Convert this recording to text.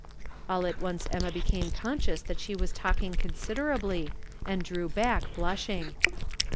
All at once Emma became conscious that she was talking considerably, and drew back, blush ing.